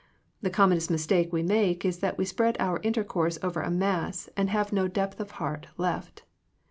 The com monest mistake we make is that we spread our intercourse over a mass, and have no depth of heart left.